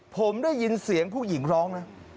ผมได้ยินเสียงผู้หญิงร้องนะ